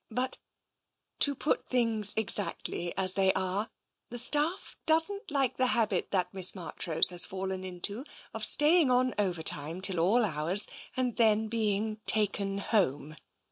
But — to put things exactly as they are — the staff doesn't like the habit that Miss Marchrose has fallen into of staying on overtime till all hours, and then being taken home.